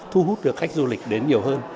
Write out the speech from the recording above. thu hút được khách du lịch đến nhiều hơn